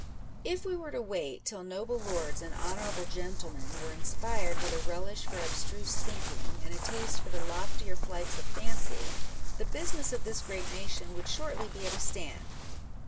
If we were to wait till Noble Lords and Honourable Gentlemen were inspired with a relish for abstruse thinking, and a taste for the loftier flights of fancy, the business of this great nation would shortly be at a stand.